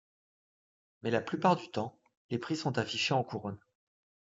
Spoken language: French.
Mais la plupart du temps, les prix sont affichés en couronne.